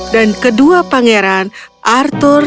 dan kedua pangeran arthur dan austin tumbuh dewasa